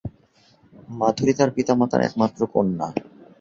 মাধুরী তার পিতামাতার একমাত্র কন্যা।